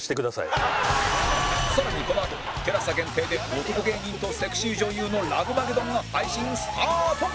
更にこのあと ＴＥＬＡＳＡ 限定で男芸人とセクシー女優のラブマゲドンが配信スタート！